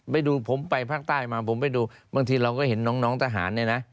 ไปดูผมไปภาคใต้มาผมไปดูบางทีเราก็เห็นน้องทหารเนี่ยนะ